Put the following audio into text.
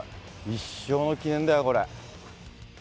一生の記念だよ、これ。